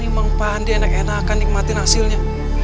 ini emang paham dia enak enakan nikmatin hasilnya